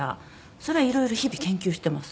それはいろいろ日々研究してます。